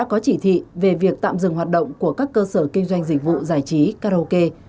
có chỉ thị về việc tạm dừng hoạt động của các cơ sở kinh doanh dịch vụ giải trí karaoke